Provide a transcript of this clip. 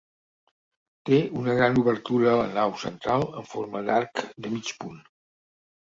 Té una gran obertura a la nau central en forma d'arc de mig punt.